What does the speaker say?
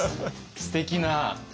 すてきな。